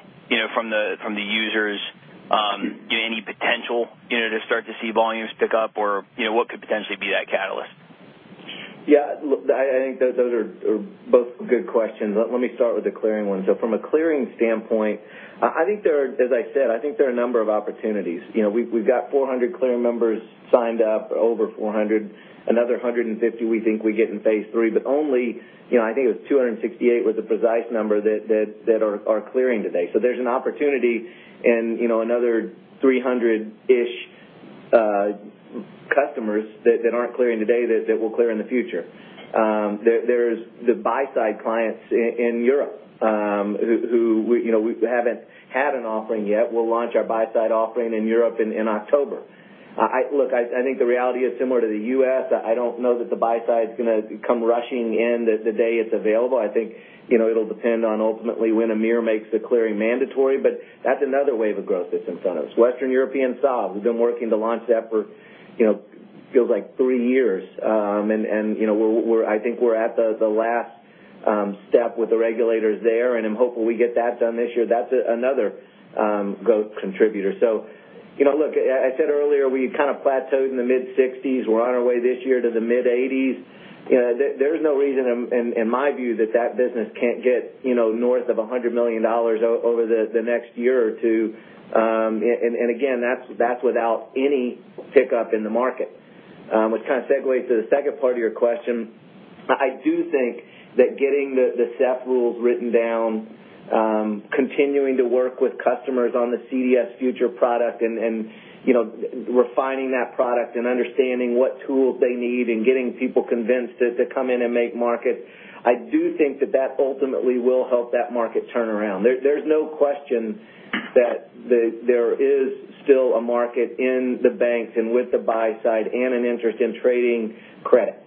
from the users any potential to start to see volumes tick up, or what could potentially be that catalyst? Yeah. Look, I think those are both good questions. Let me start with the clearing one. From a clearing standpoint, as I said, I think there are a number of opportunities. We've got 400 clearing members signed up, over 400. Another 150 we think we get in phase 3. Only, I think it was 268 was the precise number that are clearing today. There's an opportunity and another 300-ish customers that aren't clearing today that will clear in the future. There's the buy-side clients in Europe who we haven't had an offering yet. We'll launch our buy-side offering in Europe in October. Look, I think the reality is similar to the U.S. I don't know that the buy side is going to come rushing in the day it's available. I think it'll depend on ultimately when EMIR makes the clearing mandatory, that's another wave of growth that's in front of us. Western European sovereign CDS, we've been working to launch that for, feels like three years. I think we're at the last step with the regulators there, and I'm hopeful we get that done this year. That's another growth contributor. Look, I said earlier, we kind of plateaued in the mid-60s. We're on our way this year to the mid-80s. There's no reason, in my view, that that business can't get north of $100 million over the next year or two. Again, that's without any pickup in the market, which kind of segues to the second part of your question. I do think that getting the SEF rules written down, continuing to work with customers on the CDS future product and refining that product and understanding what tools they need and getting people convinced to come in and make markets, I do think that that ultimately will help that market turn around. There's no question that there is still a market in the banks and with the buy side and an interest in trading credit.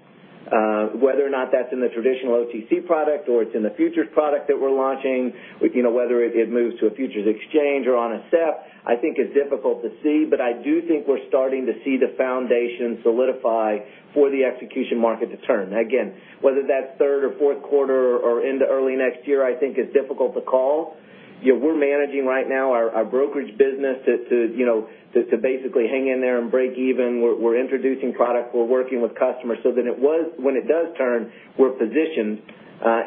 Whether or not that's in the traditional OTC product or it's in the futures product that we're launching, whether it moves to a futures exchange or on a SEF, I think is difficult to see. I do think we're starting to see the foundation solidify for the execution market to turn. Again, whether that's third or fourth quarter or into early next year, I think is difficult to call. We're managing right now our brokerage business to basically hang in there and break even. We're introducing products. We're working with customers so that when it does turn, we're positioned.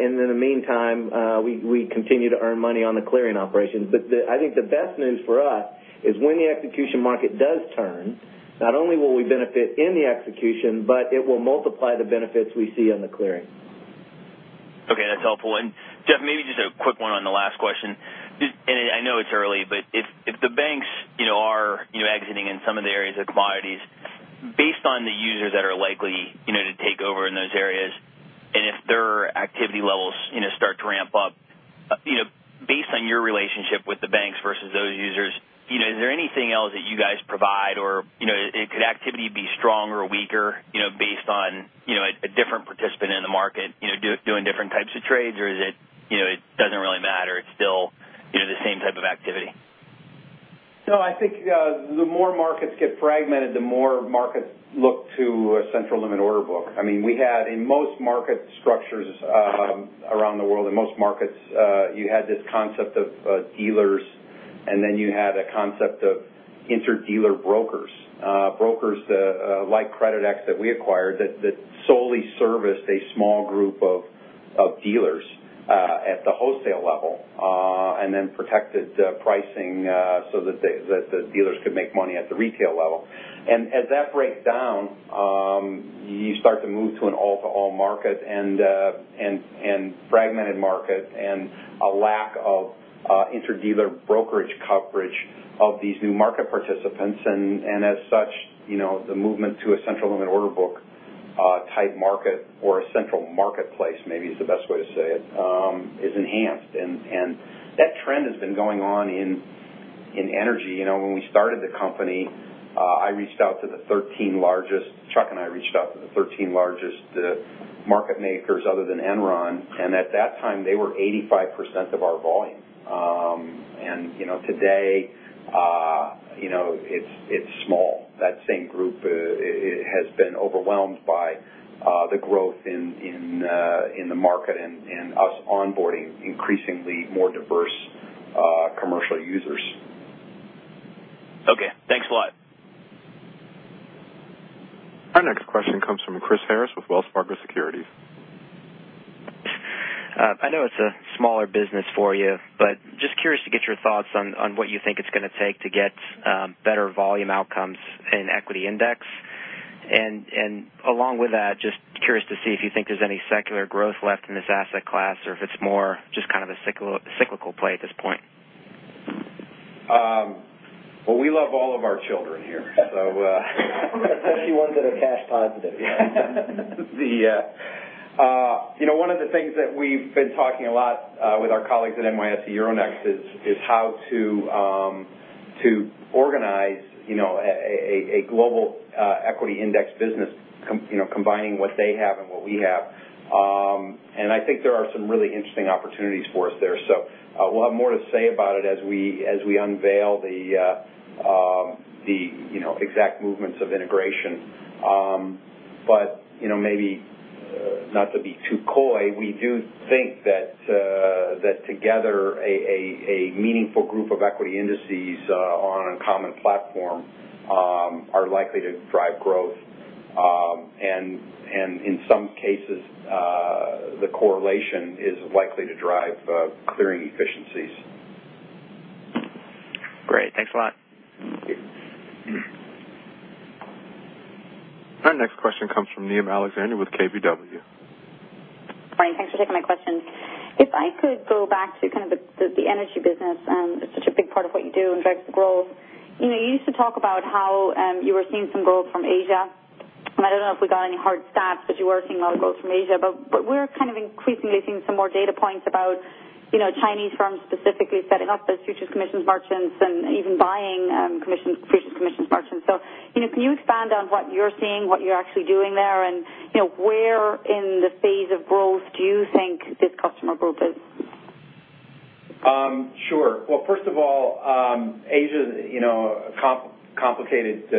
In the meantime, we continue to earn money on the clearing operations. I think the best news for us is when the execution market does turn, not only will we benefit in the execution, but it will multiply the benefits we see on the clearing. Okay. That's helpful. Jeff, maybe just a quick one on the last question. I know it's early, but if the banks are exiting in some of the areas of commodities, based on the users that are likely to take over in those areas, and if their activity levels start to ramp up, based on your relationship with the banks versus those users, is there anything else that you guys provide, or could activity be stronger or weaker based on a different participant in the market doing different types of trades, or is it doesn't really matter, it's still the same type of activity? I think the more markets get fragmented, the more markets look to a central limit order book. In most market structures around the world, in most markets, you had this concept of dealers, then you had a concept of inter-dealer brokers. Brokers like Creditex that we acquired that solely serviced a small group of dealers at the wholesale level then protected pricing so that the dealers could make money at the retail level. As that breaks down, you start to move to an all-to-all market and fragmented market and a lack of inter-dealer brokerage coverage of these new market participants. As such, the movement to a central limit order book-type market or a central marketplace, maybe is the best way to say it, is enhanced. That trend has been going on in energy. When we started the company, Chuck and I reached out to the 13 largest market makers other than Enron, and at that time, they were 85% of our volume. Today, it's small. That same group has been overwhelmed by the growth in the market and us onboarding increasingly more diverse commercial users. Okay, thanks a lot. Our next question comes from Chris Harris with Wells Fargo Securities. I know it's a smaller business for you, but just curious to get your thoughts on what you think it's going to take to get better volume outcomes in equity index. Along with that, just curious to see if you think there's any secular growth left in this asset class or if it's more just kind of a cyclical play at this point. Well, we love all of our children here. Especially ones that are cash positive. Yeah. One of the things that we've been talking a lot with our colleagues at NYSE Euronext is how to organize a global equity index business, combining what they have and what we have. I think there are some really interesting opportunities for us there. We'll have more to say about it as we unveil the exact movements of integration. Maybe not to be too coy, we do think that together, a meaningful group of equity indices on a common platform are likely to drive growth, and in some cases, the correlation is likely to drive clearing efficiencies. Great. Thanks a lot. Thank you. Our next question comes from Niamh Alexander with KBW. Brian, thanks for taking my question. I could go back to kind of the energy business, it's such a big part of what you do and drives the growth. You used to talk about how you were seeing some growth from Asia, and I don't know if we got any hard stats, but you were seeing a lot of growth from Asia. We're kind of increasingly seeing some more data points about Chinese firms specifically setting up as futures commissions merchants and even buying futures commissions merchants. Can you expand on what you're seeing, what you're actually doing there, and where in the phase of growth do you think this customer group is? Sure. Well, first of all, Asia is a complicated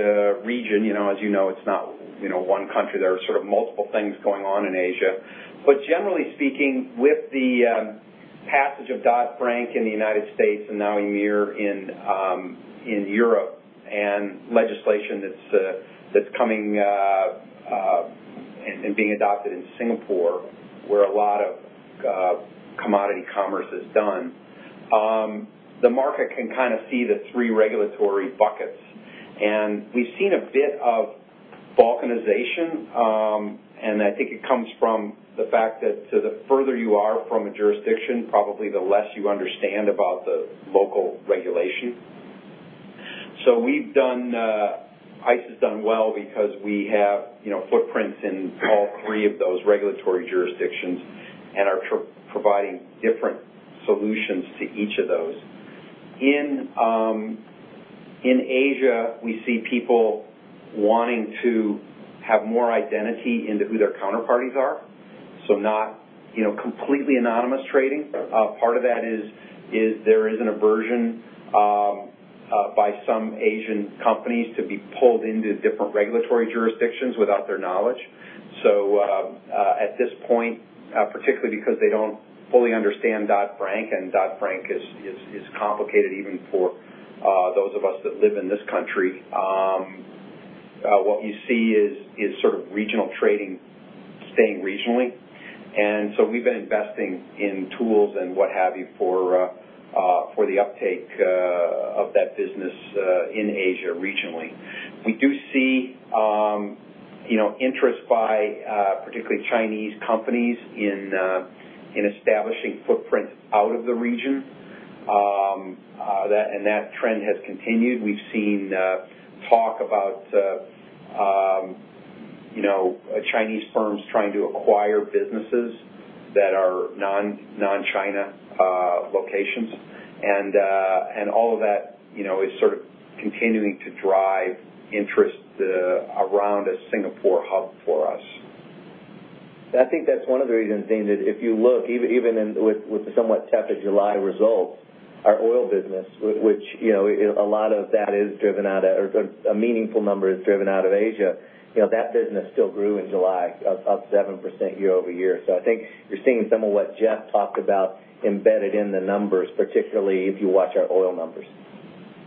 region. As you know, it's not one country. There are sort of multiple things going on in Asia. Generally speaking, with the passage of Dodd-Frank in the U.S. and now EMIR in Europe and legislation that's coming and being adopted in Singapore, where a lot of commodity commerce is done, the market can kind of see the three regulatory buckets. We've seen a bit of balkanization, I think it comes from the fact that to the further you are from a jurisdiction, probably the less you understand about the local regulation. ICE has done well because we have footprints in all three of those regulatory jurisdictions and are providing different solutions to each of those. In Asia, we see people wanting to have more identity into who their counterparties are, so not completely anonymous trading. Part of that is there is an aversion by some Asian companies to be pulled into different regulatory jurisdictions without their knowledge. At this point, particularly because they don't fully understand Dodd-Frank, Dodd-Frank is complicated even for those of us that live in this country, what you see is sort of regional trading staying regionally. We've been investing in tools and what have you for the uptake of that business in Asia regionally. We do see interest by particularly Chinese companies in establishing footprints out of the region, that trend has continued. We've seen talk about Chinese firms trying to acquire businesses that are non-China locations, all of that is sort of continuing to drive interest around a Singapore hub for us. I think that's one of the reasons, Niamh, that if you look even with the somewhat tepid July results, our oil business, which a lot of that is driven out of Asia, that business still grew in July, up 7% year-over-year. I think you're seeing some of what Jeff Sprecher talked about embedded in the numbers, particularly if you watch our oil numbers.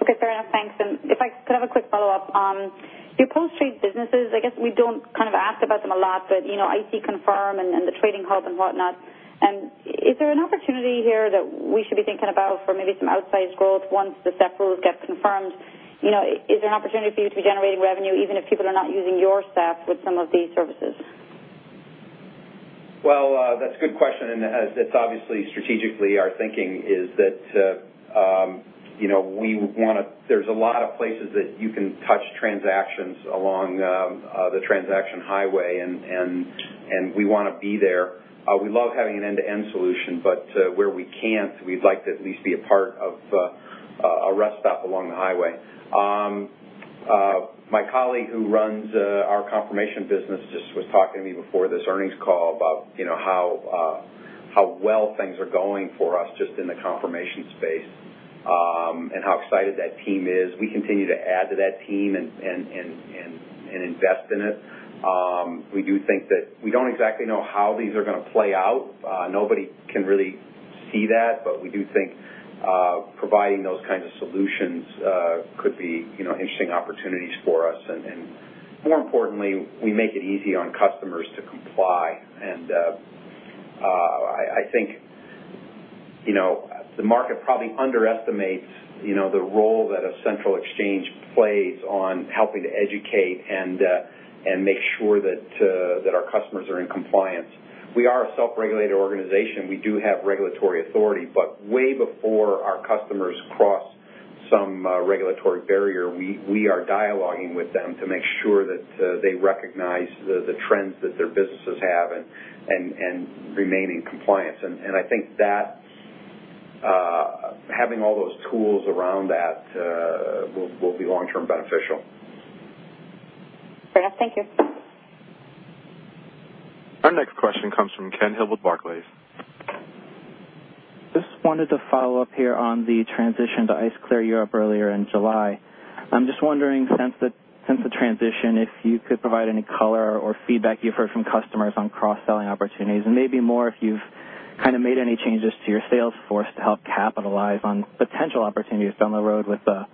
Okay, fair enough. Thanks. If I could have a quick follow-up. Your post-trade businesses, I guess we don't kind of ask about them a lot, but ICE eConfirm and the trading hub and whatnot, is there an opportunity here that we should be thinking about for maybe some outsized growth once the SEF rules get confirmed? Is there an opportunity for you to be generating revenue even if people are not using your SEF with some of these services? Well, that's a good question. That's obviously strategically our thinking is that there's a lot of places that you can touch transactions along the transaction highway. We want to be there. We love having an end-to-end solution, but where we can't, we'd like to at least be a part of a rest stop along the highway. My colleague who runs our confirmation business just was talking to me before this earnings call about how well things are going for us just in the confirmation space, how excited that team is. We continue to add to that team and invest in it. We don't exactly know how these are going to play out. Nobody can really See that, we do think providing those kinds of solutions could be interesting opportunities for us. More importantly, we make it easy on customers to comply. I think the market probably underestimates the role that a central exchange plays on helping to educate and make sure that our customers are in compliance. We are a self-regulated organization. We do have regulatory authority, way before our customers cross some regulatory barrier, we are dialoguing with them to make sure that they recognize the trends that their businesses have and remain in compliance. I think that having all those tools around that will be long-term beneficial. Fair enough. Thank you. Our next question comes from Ken Hill with Barclays. Just wanted to follow up here on the transition to ICE Clear Europe earlier in July. I'm just wondering, since the transition, if you could provide any color or feedback you've heard from customers on cross-selling opportunities and maybe more if you've made any changes to your sales force to help capitalize on potential opportunities down the road with a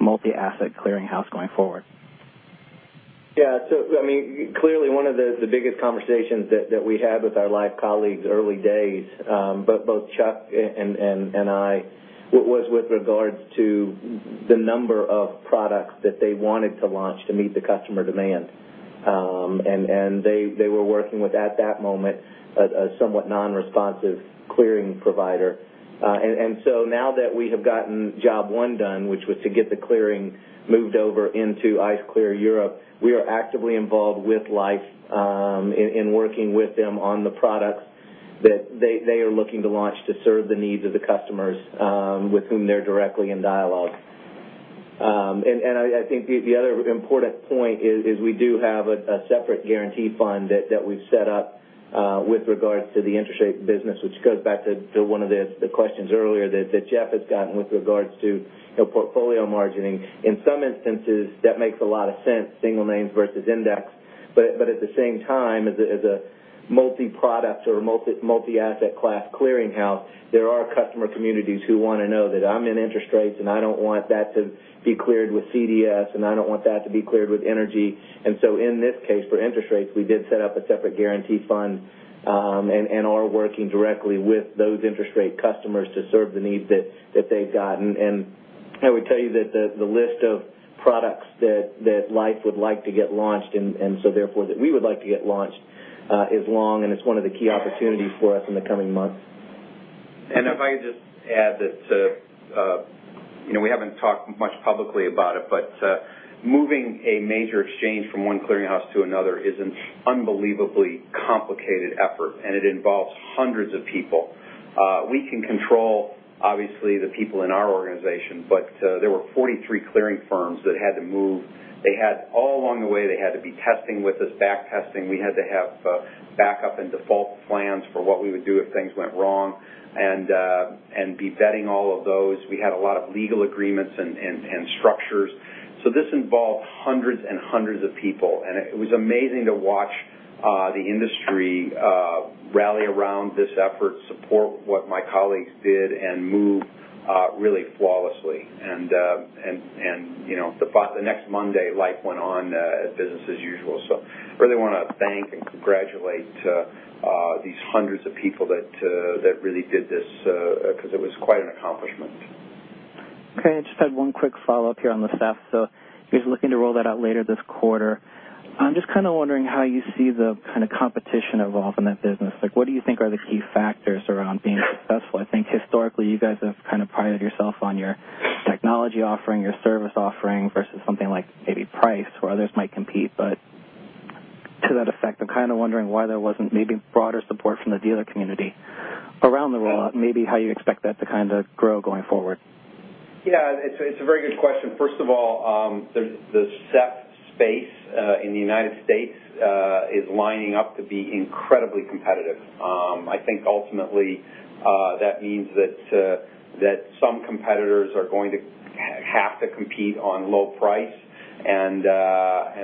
multi-asset clearinghouse going forward. Clearly, one of the biggest conversations that we had with our Liffe colleagues early days, both Chuck and I, was with regards to the number of products that they wanted to launch to meet the customer demand. They were working with, at that moment, a somewhat non-responsive clearing provider. Now that we have gotten job one done, which was to get the clearing moved over into ICE Clear Europe, we are actively involved with Liffe in working with them on the products that they are looking to launch to serve the needs of the customers with whom they're directly in dialogue. I think the other important point is we do have a separate guarantee fund that we've set up with regards to the interest rate business, which goes back to one of the questions earlier that Jeff has gotten with regards to portfolio margining. In some instances, that makes a lot of sense, single names versus index. At the same time, as a multi-product or multi-asset class clearinghouse, there are customer communities who want to know that I'm in interest rates, and I don't want that to be cleared with CDS, and I don't want that to be cleared with energy. In this case, for interest rates, we did set up a separate guarantee fund and are working directly with those interest rate customers to serve the needs that they've got. I would tell you that the list of products that Liffe would like to get launched, and so therefore, that we would like to get launched, is long, and it's one of the key opportunities for us in the coming months. If I could just add that we haven't talked much publicly about it, moving a major exchange from one clearinghouse to another is an unbelievably complicated effort, and it involves hundreds of people. We can control, obviously, the people in our organization, but there were 43 clearing firms that had to move. All along the way, they had to be testing with us, back testing. We had to have backup and default plans for what we would do if things went wrong and be vetting all of those. We had a lot of legal agreements and structures. This involved hundreds and hundreds of people, and it was amazing to watch the industry rally around this effort, support what my colleagues did, and move really flawlessly. The next Monday, life went on as business as usual. Really want to thank and congratulate these hundreds of people that really did this because it was quite an accomplishment. Okay, I just had one quick follow-up here on the SEF. You're looking to roll that out later this quarter. I'm just wondering how you see the competition evolve in that business. What do you think are the key factors around being successful? I think historically, you guys have prided yourself on your technology offering, your service offering versus something like maybe price where others might compete. To that effect, I'm wondering why there wasn't maybe broader support from the dealer community around the rollout, maybe how you expect that to grow going forward. Yeah, it's a very good question. First of all, the SEF space in the U.S. is lining up to be incredibly competitive. I think ultimately that means that some competitors are going to have to compete on low price.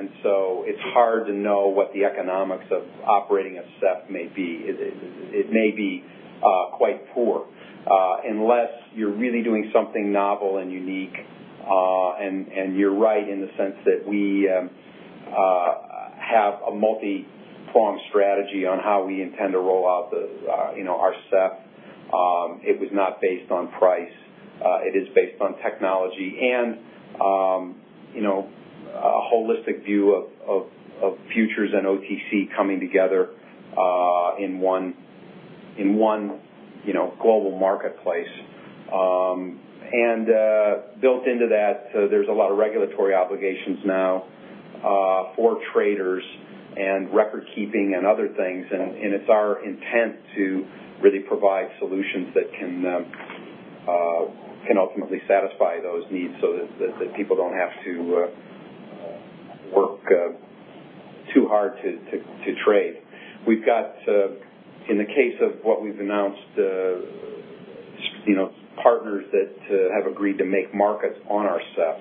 It's hard to know what the economics of operating a SEF may be. It may be quite poor unless you're really doing something novel and unique. You're right in the sense that we have a multi-pronged strategy on how we intend to roll out our SEF. It was not based on price. It is based on technology and a holistic view of futures and OTC coming together in one global marketplace. Built into that, there's a lot of regulatory obligations now for traders and record keeping and other things. It's our intent to really provide solutions that can ultimately satisfy those needs so that people don't have to work too hard to trade. We've got, in the case of what we've announced, partners that have agreed to make markets on our SEF.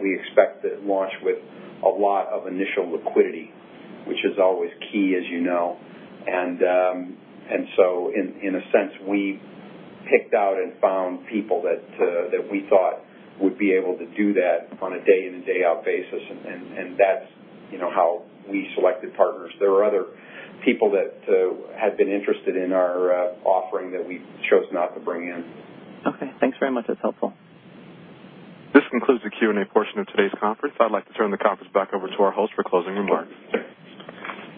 We expect to launch with a lot of initial liquidity, which is always key, as you know. In a sense, we picked out and found people that we thought would be able to do that on a day-in and day-out basis. That's how we selected partners. There are other people that had been interested in our offering that we chose not to bring in. Okay. Thanks very much. That's helpful. This concludes the Q&A portion of today's conference. I'd like to turn the conference back over to our host for closing remarks.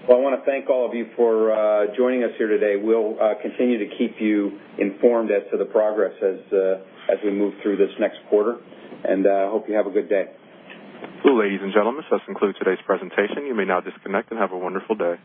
I want to thank all of you for joining us here today. We'll continue to keep you informed as to the progress as we move through this next quarter, and I hope you have a good day. Ladies and gentlemen, this concludes today's presentation. You may now disconnect, and have a wonderful day.